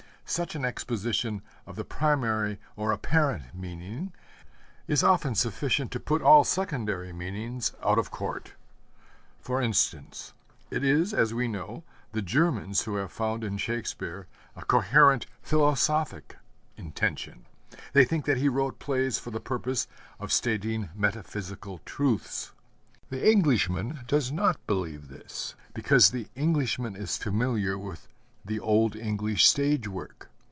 Such an exposition of the primary or apparent meaning is often sufficient to put all secondary meanings out of court. For instance: It is, as we know, the Germans who have found in Shakespeare a coherent philosophic intention. They think that he wrote plays for the purpose of stating metaphysical truths. The Englishman does not believe this, because the Englishman is familiar with that old English stage work.